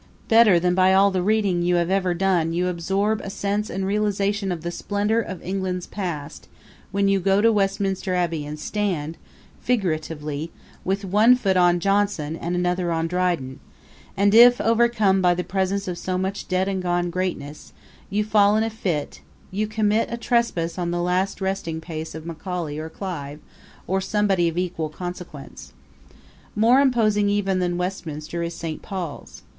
Better than by all the reading you have ever done you absorb a sense and realization of the splendor of England's past when you go to Westminster Abbey and stand figuratively with one foot on Jonson and another on Dryden; and if, overcome by the presence of so much dead and gone greatness, you fall in a fit you commit a trespass on the last resting place of Macaulay or Clive, or somebody of equal consequence. More imposing even than Westminster is St. Paul's.